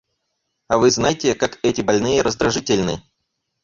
А вы знаете, как эти больные раздражительны.